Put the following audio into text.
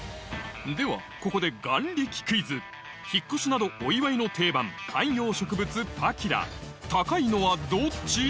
ではここで眼力クイズ引っ越しなどお祝いの定番観葉植物パキラ高いのはどっち？